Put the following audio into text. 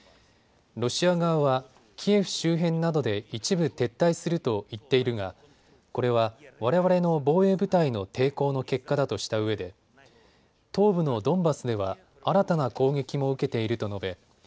ロシア側はキエフ周辺などで一部撤退すると言っているがこれは、われわれの防衛部隊の抵抗の結果だとしたうえで東部のドンバスでは新たな攻撃も受けていると述べ